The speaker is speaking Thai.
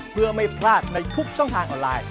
เพื่อไม่พลาดในทุกช่องทางออนไลน์